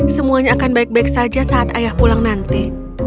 semuanya akan baik baik saja saat ayah pulang nanti